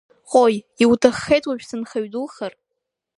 Ҟои, иуҭаххеит уажә сынхаҩ духар!